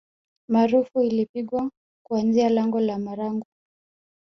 Maarufu ilipigwa kuanzia lango la marangu